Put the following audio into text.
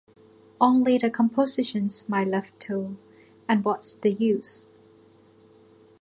Only the compositions "My Left Toe" and "What's the Use?